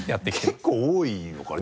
結構多いのかな。